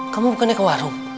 kamu bukannya ke warung